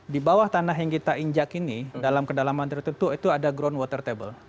di bawah tanah yang kita injak ini dalam kedalaman tertentu itu ada ground water table